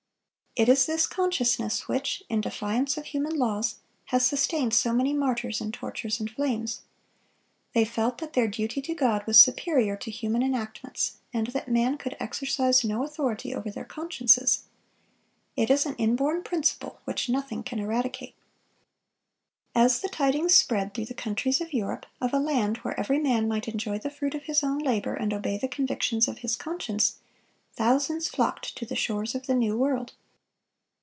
It is this consciousness which, in defiance of human laws, has sustained so many martyrs in tortures and flames. They felt that their duty to God was superior to human enactments, and that man could exercise no authority over their consciences. It is an inborn principle which nothing can eradicate."(446) As the tidings spread through the countries of Europe, of a land where every man might enjoy the fruit of his own labor and obey the convictions of his conscience, thousands flocked to the shores of the New World.